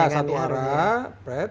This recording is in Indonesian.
iya satu arah